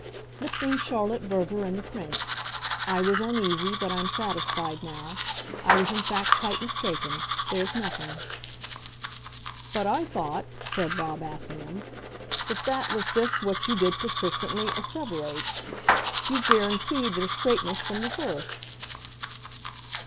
"Between Charlotte Verver and the Prince. I was uneasy but I'm satisfied now. I was in fact quite mistaken. There's nothing." "But I thought," said Bob Assingham, "that that was just what you did persistently asseverate. You've guaranteed their straightness from the first."